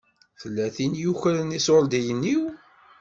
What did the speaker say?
Tella tin i yukren iṣuṛdiyen-iw.